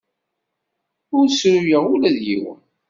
Ur ssruyeɣ ula d yiwen.